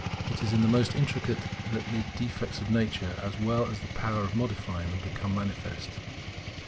It is in the most intricate that the defects of Nature, as well as the power of modifying them, become most manifest.